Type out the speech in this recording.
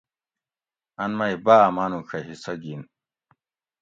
ان مئ باہ مانوڄہ حصہ گن